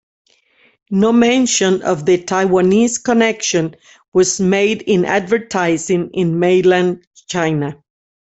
No mention of the Taiwanese connection was made in advertising in mainland China.